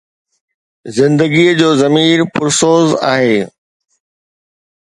زندگيءَ جو ضمير پرسوز آهي